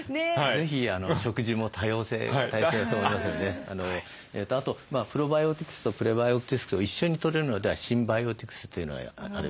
是非食事も多様性だと思いますのであとプロバイオティクスとプレバイオティクスと一緒にとれるのではシンバイオティクスというのがあります。